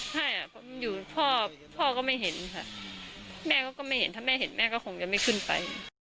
ใช่พ่อพ่อก็ไม่เห็นค่ะแม่เขาก็ไม่เห็นถ้าแม่เห็นแม่ก็คงจะไม่ขึ้นไป